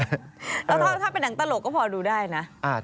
แล้วถ้าเป็นหนังตลกก็พอดูได้นะ